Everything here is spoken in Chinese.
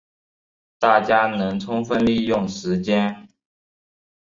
大家能充分利用时间